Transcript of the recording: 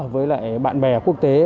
với lại bạn bè quốc tế